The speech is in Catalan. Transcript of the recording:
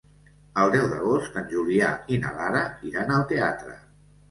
El deu d'agost en Julià i na Lara iran al teatre.